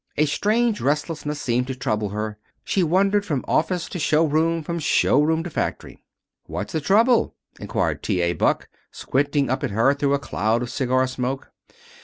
A strange restlessness seemed to trouble her. She wandered from office to show room, from show room to factory. "What's the trouble?" inquired T. A. Buck, squinting up at her through a cloud of cigar smoke.